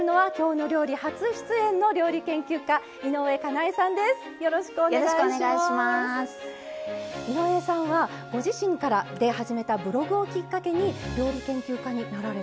井上さんはご自身で始めたブログをきっかけに料理研究家になられたそうですね。